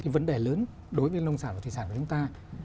vấn đề lớn đối với nông sản và thủy sản của chúng ta